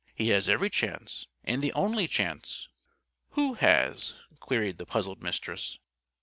"He has every chance, and the only chance." "Who has?" queried the puzzled Mistress.